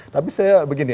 tapi saya begini